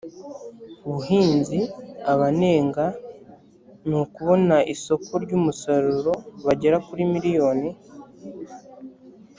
buhinzi abanenga ni kubona isoko ry umusaruro bagera kuri miliyoni